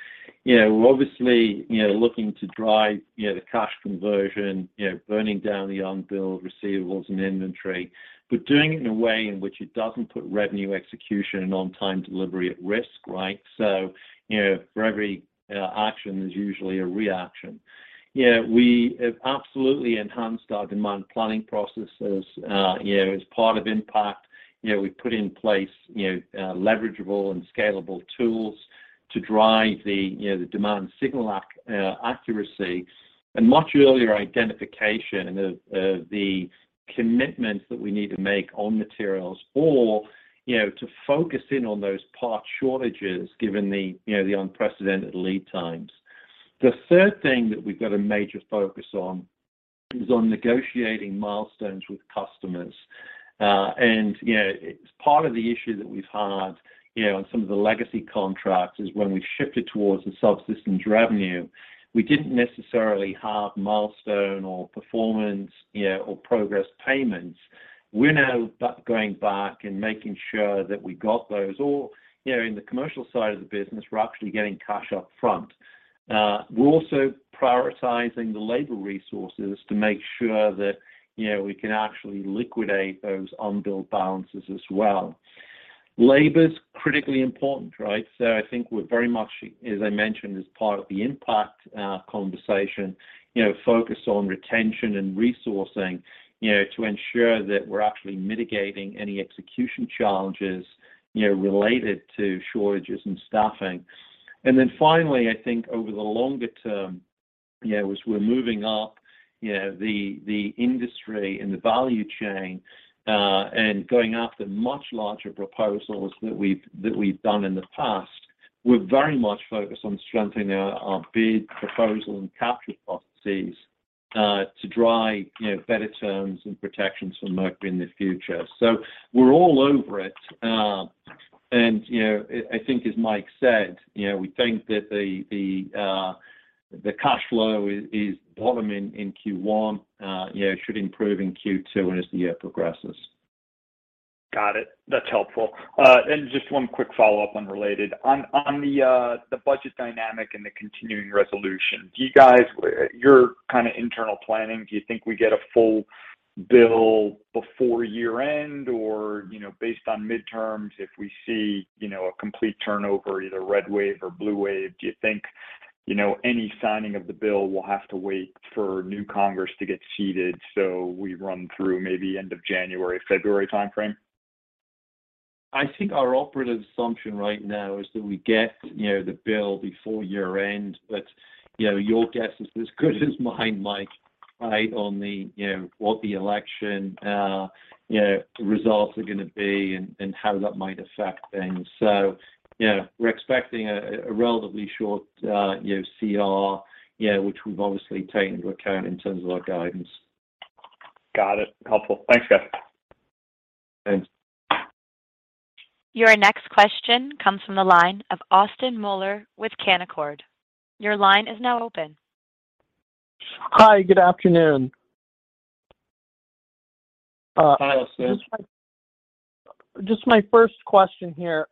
You know, we're obviously, you know, looking to drive, you know, the cash conversion, you know, burning down the unbilled receivables and inventory, but doing it in a way in which it doesn't put revenue execution and on-time delivery at risk, right? You know, for every action, there's usually a reaction. You know, we have absolutely enhanced our demand planning processes, you know, as part of Impact. You know, we've put in place, you know, leverageable and scalable tools to drive the, you know, the demand signal accuracy and much earlier identification of the commitments that we need to make on materials or, you know, to focus in on those part shortages given the, you know, the unprecedented lead times. The third thing that we've got a major focus on is on negotiating milestones with customers. You know, it's part of the issue that we've had, you know, on some of the legacy contracts is when we shifted towards the subsystems revenue, we didn't necessarily have milestone or performance, you know, or progress payments. We're now going back and making sure that we got those or, you know, in the commercial side of the business, we're actually getting cash up front. We're also prioritizing the labor resources to make sure that, you know, we can actually liquidate those unbilled balances as well. Labor's critically important, right? I think we're very much, as I mentioned, as part of the Impact conversation, you know, focused on retention and resourcing, you know, to ensure that we're actually mitigating any execution challenges, you know, related to shortages and staffing. Finally, I think over the longer term, you know, as we're moving up, you know, the industry and the value chain, and going after much larger proposals that we've done in the past, we're very much focused on strengthening our bid proposal and capture processes, to drive, you know, better terms and protections for Mercury in the future. We're all over it. You know, I think as Mike said, you know, we think that the cash flow is bottom in Q1, you know, should improve in Q2 and as the year progresses. Got it. That's helpful. Just one quick follow-up unrelated. On the budget dynamic and the continuing resolution, do you guys, your kind of internal planning, do you think we get a full bill before year-end? Or, you know, based on midterms, if we see, you know, a complete turnover, either red wave or blue wave, do you think, you know, any signing of the bill will have to wait for new Congress to get seated, so we run through maybe end of January, February timeframe? I think our operative assumption right now is that we get, you know, the bill before year-end. You know, your guess is as good as mine, Mike, right, on the, you know, what the election, you know, results are gonna be and how that might affect things. You know, we're expecting a relatively short, you know, CR, you know, which we've obviously taken into account in terms of our guidance. Got it. Helpful. Thanks, guys. Thanks. Your next question comes from the line of Austin Moeller with Canaccord. Your line is now open. Hi, good afternoon. Hi, Austin. Just my first question here.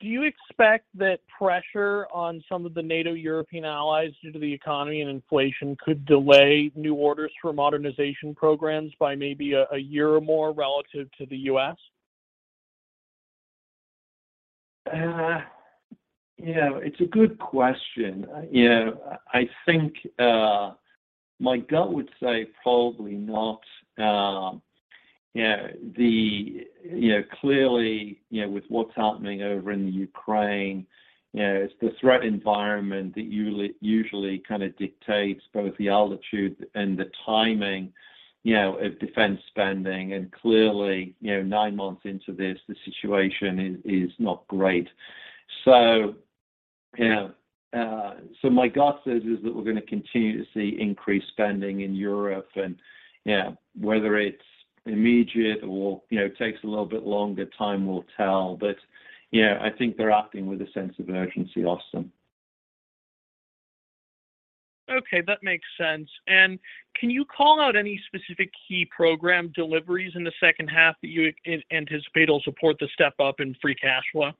Do you expect that pressure on some of the NATO European allies due to the economy and inflation could delay new orders for modernization programs by maybe a year or more relative to the U.S.? You know, it's a good question. You know, I think my gut would say probably not. You know, clearly, you know, with what's happening over in Ukraine, you know, it's the threat environment that usually kind of dictates both the altitude and the timing, you know, of defense spending. Clearly, you know, nine months into this, the situation is not great. You know, my gut says is that we're gonna continue to see increased spending in Europe and, you know, whether it's immediate or, you know, takes a little bit longer, time will tell. You know, I think they're acting with a sense of urgency, Austin. Okay, that makes sense. Can you call out any specific key program deliveries in the second half that you anticipate will support the step up in free cash flow?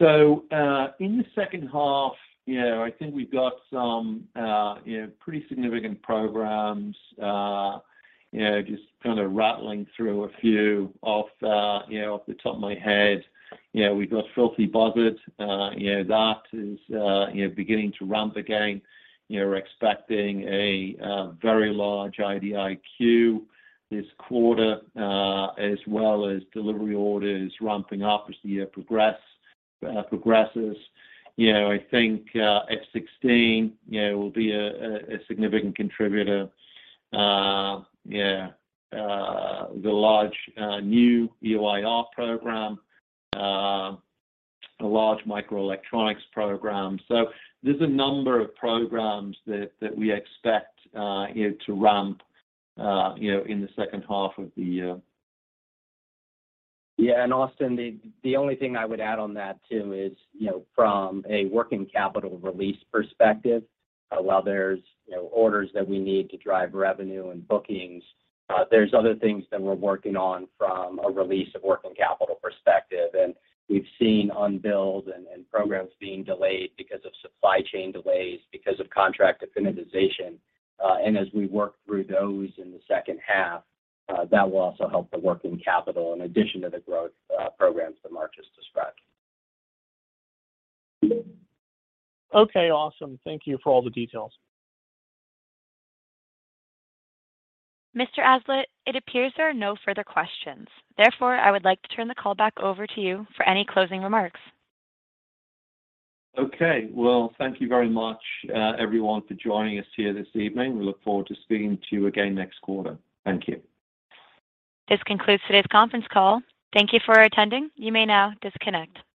In the second half, you know, I think we've got some, you know, pretty significant programs. You know, just kind of rattling through a few off, you know, off the top of my head. You know, we've got Filthy Buzzard. You know, that is, you know, beginning to ramp again. You know, we're expecting a very large IDIQ this quarter, as well as delivery orders ramping up as the year progresses. You know, I think, F-16, you know, will be a significant contributor. Yeah, the large new EO/IR program, a large microelectronics program. There's a number of programs that we expect, you know, to ramp, you know, in the second half of the year. Yeah. Austin, the only thing I would add on that too is, you know, from a working capital release perspective, while there's, you know, orders that we need to drive revenue and bookings, there's other things that we're working on from a release of working capital perspective. We've seen unbilled and programs being delayed because of supply chain delays, because of contract definitization. As we work through those in the second half, that will also help the working capital in addition to the growth programs that Mark has described. Okay, awesome. Thank you for all the details. Mr. Aslett, it appears there are no further questions. Therefore, I would like to turn the call back over to you for any closing remarks. Okay. Well, thank you very much, everyone, for joining us here this evening. We look forward to speaking to you again next quarter. Thank you. This concludes today's conference call. Thank you for attending. You may now disconnect.